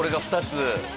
２つ！